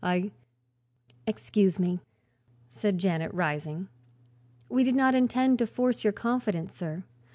I " "Excuse me," said Janet, rising; "we did not intend to force your confidence, sir.